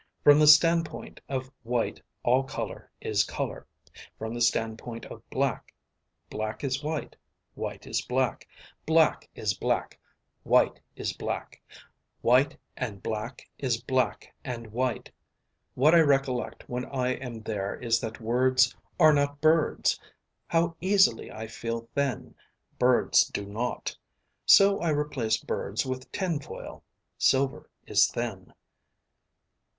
From the standpoint of white all color is color. From the standpoint of black. Black is white. White is black. Black is black. White is black. White and black is black and white. What I recollect when I am there is that words are not birds. How easily I feel thin. Birds do not. So I replace birds with tin foil. Silver is thin.